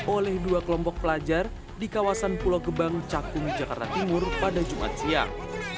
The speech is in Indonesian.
oleh dua kelompok pelajar di kawasan pulau gebang cakung jakarta timur pada jumat siang